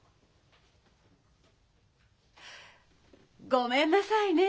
ごめんなさいね。